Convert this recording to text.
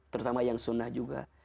terutama yang sunnah juga